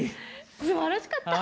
すばらしかった。